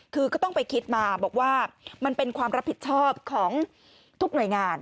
คือก็ต้องไปคิดมาบอกว่ามันเป็นความรับผิดชอบของทุกหน่วยงาน